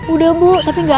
udah bu tapi gak ada